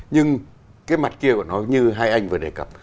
nhưng cái mặt kia của nó như hai anh vừa đề cập